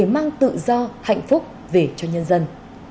mang tự do hạnh phúc về cho nhân dân